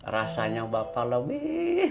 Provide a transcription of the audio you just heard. rasanya bapak lebih